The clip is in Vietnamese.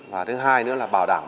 và thứ hai nữa là bảo đảm